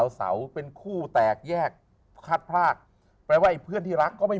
นี่เป็นคนพวกที่จริงมั้ยพี่